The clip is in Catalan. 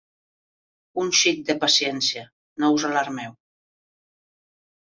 Un xic de paciència. No us alarmeu.